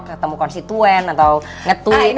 ketemu konstituen atau ngetweet atau apa